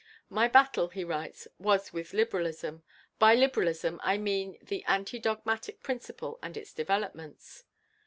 "My battle," he writes, "was with liberalism; by liberalism I mean the anti dogmatic principle and its developments."